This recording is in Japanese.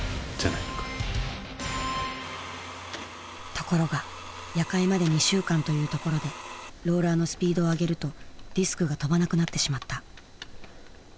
ところが夜会まで２週間というところでローラーのスピードを上げるとディスクが飛ばなくなってしまった。